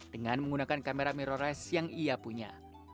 dengan menggunakan kamera mirrorres yang ia punya